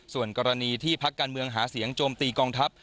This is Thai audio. ส่วนกรณีที่พักการเมืองหาเสียงโจมตีกองทัพ